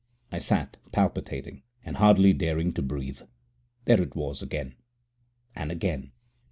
I sat palpitating and hardly daring to breathe. There it was again! And again!